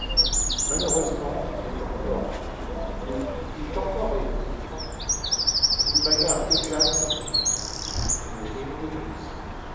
Malheureusement il est encoré ivre, une bagarre éclate et le dégrise.